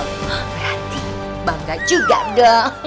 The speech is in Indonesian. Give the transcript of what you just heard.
berarti bangga juga dong